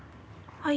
はい。